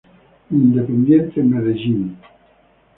Independiente Medellín